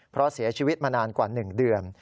เพราะเสียชีวิตมานานกว่า๑เดือน